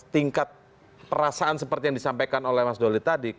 tingkat perasaan seperti yang disampaikan oleh mas doli tadi